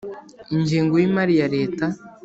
Ingengo y imari ya Leta